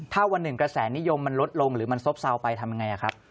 ถ้าวันหนึ่งกระแสนิยมมันลดลงหรือมันซบเซาไปทำยังไงครับ